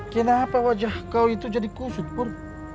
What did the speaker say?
kenapa wajah kau itu jadi kusut pur